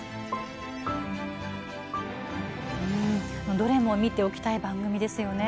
どれも見ておきたい番組ですよね。